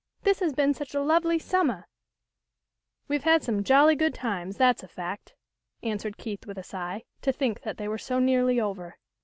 This has been such a lovely summah." " We've had some jolly good times, that's a fact," answered Keith with a sigh, to think that they were so nearly over.